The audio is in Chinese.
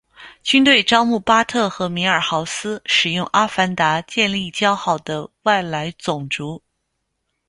军队招募巴特和米尔豪斯使用阿凡达建立交好的外来种族。